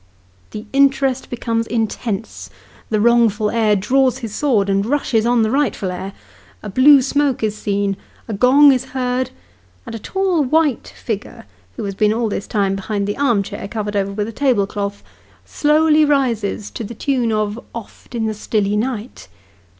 The interest becomes intense; the wrongful heir draws his sword, 86 Sketches by Bos. and rushes on the rightful heir ; a blue smoke is seen, a gong is heard, and a tall white figure (who has been all this time, behind the arm chair, covered over with a table cloth), slowly rises to the tune of " Oft in the stilly night."